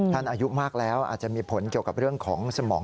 อายุมากแล้วอาจจะมีผลเกี่ยวกับเรื่องของสมอง